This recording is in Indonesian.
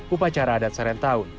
upacara adat serentakun